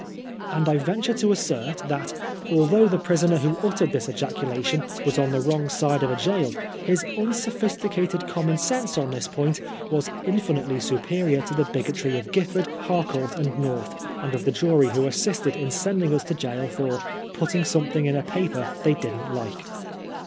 "— And I venture to assert that, although the prisoner who uttered this ejaculation was on the wrong side of a gaol, his unsophisticated common sense on this point was infinitely superior to the bigotry of Qiffard, Har court and North, and of the jury who assisted in send ing us to gaol for " putting something in a paper they didn't like."